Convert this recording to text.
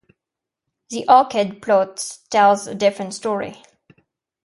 The arcade plot tells a different story.